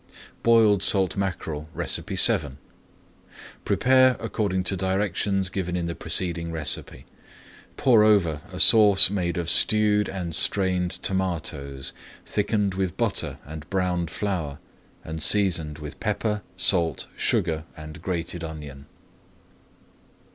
BOILED SALT MACKEREL VII Prepare according to directions given in the preceding recipe. Pour over a sauce made of stewed and strained tomatoes, thickened with butter and browned flour, and seasoned with pepper, salt, sugar, and grated onion.